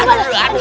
duh aduh aduh